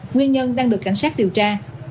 nguyên nhân đang được cảnh sát điều tra